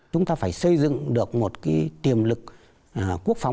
chúng ta phải xây dựng được một cái tiềm lực quốc phòng